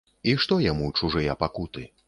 І што яму чужыя пакуты?!